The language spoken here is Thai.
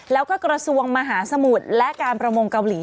แล้วก็กระทรวงมหาสมุทรและการประมงเกาหลี